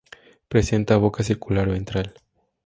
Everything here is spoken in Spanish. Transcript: Presenta boca circular ventral.